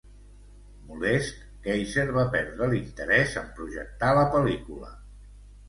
Molest, Kayzer va perdre l'interès en projectar la pel·lícula.